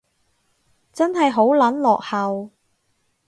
真係好撚落後